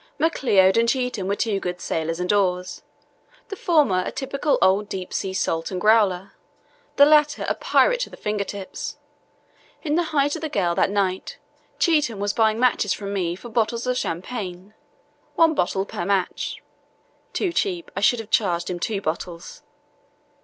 McLeod and Cheetham were two good sailors and oars, the former a typical old deep sea salt and growler, the latter a pirate to his finger tips. In the height of the gale that night Cheetham was buying matches from me for bottles of champagne, one bottle per match (too cheap; I should have charged him two bottles).